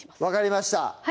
分かりました